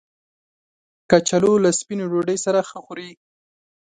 کچالو له سپینې ډوډۍ سره ښه خوري